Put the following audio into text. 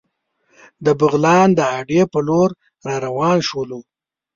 د بغلان د اډې په لور را روان شولو.